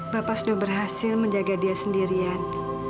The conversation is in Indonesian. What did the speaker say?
bapak sudah berhasil menjaga dia sendirian